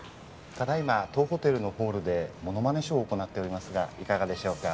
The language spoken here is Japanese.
ただいま当ホテルのホールでものまねショーを行っておりますがいかがでしょうか？